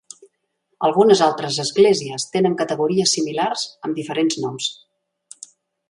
Algunes altres esglésies tenen categories similars amb diferents noms.